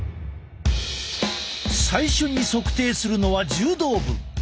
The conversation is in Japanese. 最初に測定するのは柔道部。